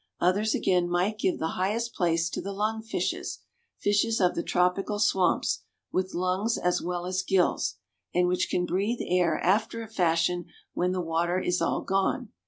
Others again might give the highest place to the lung fishes, fishes of the tropical swamps, with lungs as well as gills, and which can breathe air after a fashion when the water is all gone.